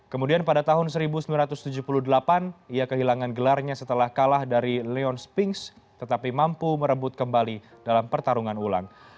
kemudian pada tahun seribu sembilan ratus tujuh puluh delapan ia kehilangan gelarnya setelah kalah dari leon spinks tetapi mampu merebut kembali dalam pertarungan ulang